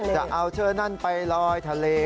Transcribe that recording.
จะเอาเชื้อนั้นไปลอยทะเล